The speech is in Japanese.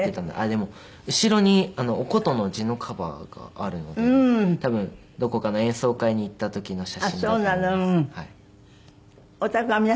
でも後ろにお箏の柱のカバーがあるので多分どこかの演奏会に行った時の写真だと思います。